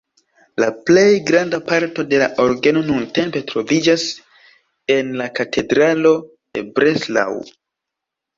La plej granda parto de la orgeno nuntempe troviĝas en la katedralo de Breslau.